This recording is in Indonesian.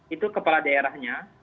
itu kepala daerahnya